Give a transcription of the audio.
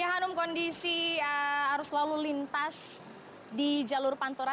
ya hanum kondisi arus lalu lintas di jalur pantura